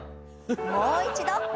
もう一度。